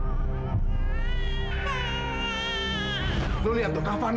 lo lihat tuh kapanan dia